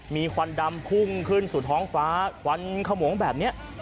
มีควันดำพุ่งขึ้นสู่ท้องฟ้าควันขมงแบบนี้